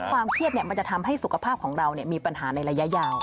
ความเครียดมันจะทำให้สุขภาพของเรามีปัญหาในระยะยาว